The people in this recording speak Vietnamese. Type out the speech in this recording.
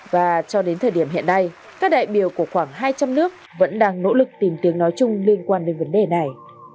và cho đến thời điểm hiện nay các đại biểu của khoảng hai trăm linh nước vẫn đang nỗ lực tìm tiếng nói chung liên quan đến vấn đề này